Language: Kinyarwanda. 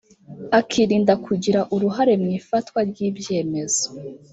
akirinda kugira uruhare mu ifatwa ry’ ibyemezo